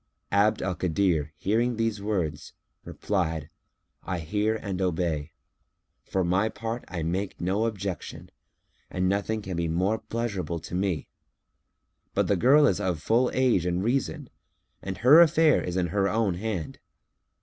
Abd al Kadir hearing these words replied, "I hear and obey. For my part, I make no objection, and nothing can be more pleasurable to me; but the girl is of full age and reason and her affair is in her own hand.